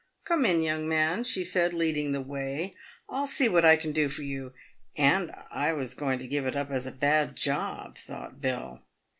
" Come in, young man," she said, leading the way. " I'll see what I can do for you." " And I was going to give it up as a bad job," thought Bill.